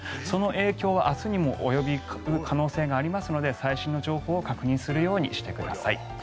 その影響、明日にも及ぶ可能性がありますので最新の情報を確認するようにしてください。